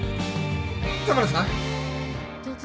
田村さん？